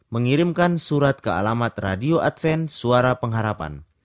mengirimkan surat ke alamat radio adven suara pengharapan